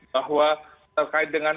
bahwa terkait dengan